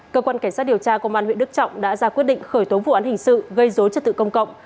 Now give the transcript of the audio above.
cơ quan cảnh sát điều tra công an huyện đức trọng đã ra quyết định khởi tố vụ án hình sự gây dối trật tự công cộng